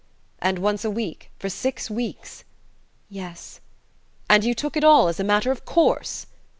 "And once a week, for six weeks ?" "Yes." "And you took it all as a matter of course?"